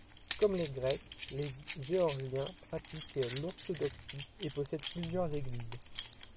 Comme les Grecs, les Géorgiens pratiquent l'orthodoxie et possèdent plusieurs églises.